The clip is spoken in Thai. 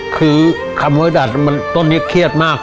คือคำคำว่าให้รักต้นคิดคุยมาก